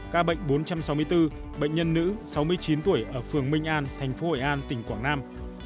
ca bệnh bốn trăm sáu mươi bốn bệnh nhân nữ sáu mươi chín tuổi ở phường minh an thành phố hội an tỉnh quảng nam